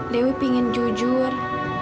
dewi pingin jujur